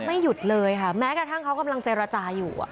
ไม่หยุดเลยค่ะแม้กระทั่งเขากำลังเจรจาอยู่